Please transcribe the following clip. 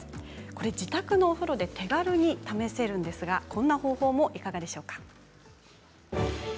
これ自宅のお風呂で手軽に試せるんですがこんな方法もいかがでしょうか。